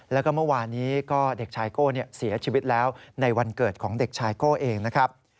แล้วก็เมื่อวานนี้ก็เด็กชายโก้เสียชีวิตแล้วในวันเกิดของเด็กชายโก้เองนะครับ